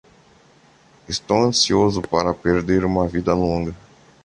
Estou ansioso para perder uma vida longa.